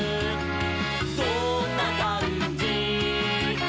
どんなかんじ？」